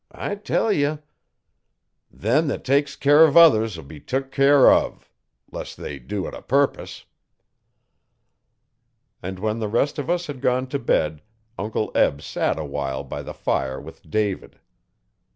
I tell ye. Them 'et takes care uv others'll be took care uv 'less they do it o'purpose.' And when the rest of us had gone to bed Uncle Eb sat awhile by the fire with David.